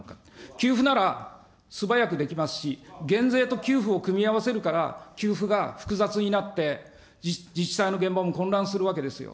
給付なら素早くできますし、減税と給付を組み合わせるから給付が複雑になって、自治体の現場も混乱するわけですよ。